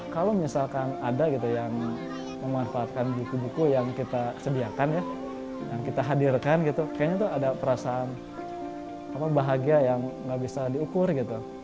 kalau misalkan ada gitu yang memanfaatkan buku buku yang kita sediakan ya yang kita hadirkan gitu kayaknya tuh ada perasaan bahagia yang nggak bisa diukur gitu